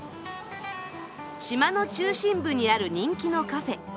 島の中心部にある人気のカフェ。